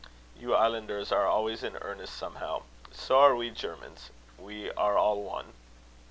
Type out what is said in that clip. "You islanders are always in earnest somehow. So are we Germans. We are all one."